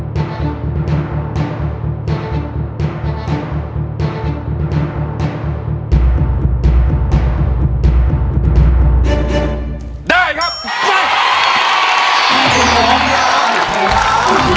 ร้องได้